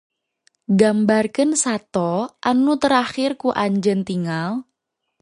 Gambarkeun sato anu terakhir ku anjeun tingal.